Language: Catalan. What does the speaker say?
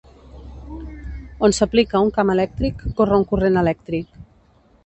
On s'aplica un camp elèctric corre un corrent elèctric.